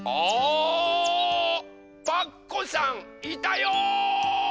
パクこさんいたよ！